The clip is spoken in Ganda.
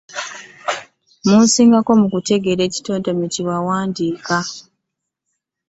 Mu nsengeka mw’otegeereza ekitontome we kitandikira.